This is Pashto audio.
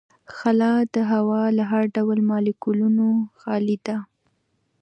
خلا د هوا له هر ډول مالیکولونو خالي ده.